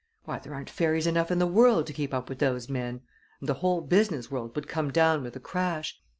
Why, there aren't fairies enough in the world to keep up with those men, and the whole business world would come down with a crash.